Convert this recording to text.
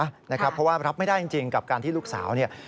เพราะว่ารับไม่ได้จริงกับการที่ลูกสาวเนี่ย